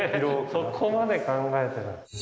そこまで考えてるんだ。